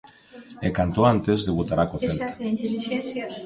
E canto antes debutará co Celta.